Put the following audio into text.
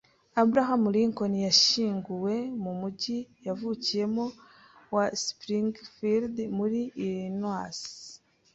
Abraham Lincoln yashyinguwe mu mujyi yavukiyemo wa Springfield, muri Illinois.